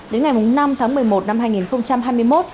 đến ngày năm tháng một mươi một năm hai nghìn hai mươi một